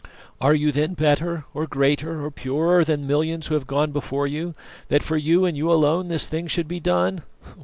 Are you then better, or greater, or purer than millions who have gone before you, that for you and you alone this thing should be done?